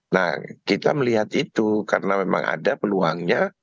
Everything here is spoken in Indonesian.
nah kita melihat itu karena memang ada peluangnya